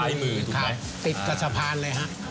ซ้ายมือติดกระชะพานเลยครับ